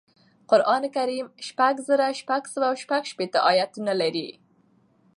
قرآن کریم شپږ زره شپږسوه شپږشپیتمه اياتونه لري